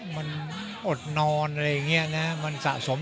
มันอดนอนอะไรอย่างนี้นะมันสะสม